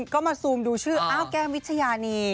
ก็มาซูมดูชื่ออ้าวแก้มวิชญานี